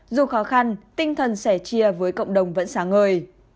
dù khó khăn tinh thần sẻ chia với cộng đồng vẫn sáng ngời